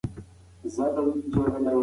له ظالم سره مرسته مه کوه.